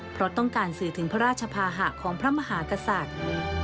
เพราะต้องการสื่อถึงพระราชภาหะของพระมหากษัตริย์